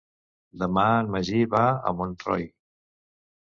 Demà en Magí va a Montroi.